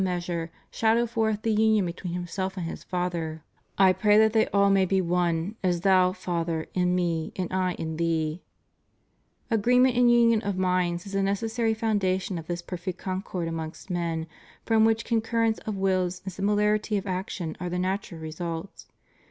easure, shadow forth the union between Himself and His Father: / pray that they all may be one, as Thou, Father, in Me, and I in Thee} Agreem^ent and union of minds is the necessary founda tion of this perfect concord am.ongst men, from which con currence of wills and similarity of action are the natural results.